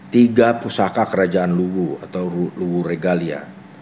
tiga pusaka kerajaan luwu atau luwu regalia